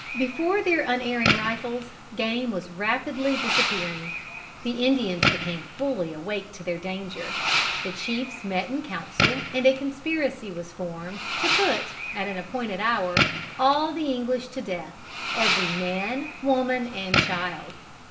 Before their unerring rifles, game was rapidly disappearing. The Indians became fully awake to their danger. The chiefs met in council, and a conspiracy was formed, to put, at an appointed hour, all the English to death, every man, woman and child.